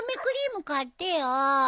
クリーム買ってよ。